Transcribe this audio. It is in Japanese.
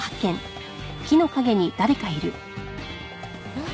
うん？